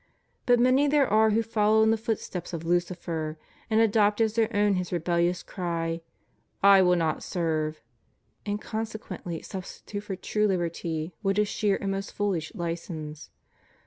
But many there are who follow in the footsteps of Lucifer, and adopt as their own his rebellious cry, "I will not serve"; and consequently substitute for true liberty what is sheer and most foolish license.